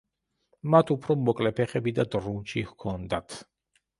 მათ უფრო მოკლე ფეხები და დრუნჩი ჰქონდათ.